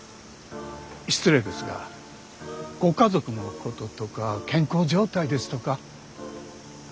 失礼ですがご家族のこととか健康状態ですとか。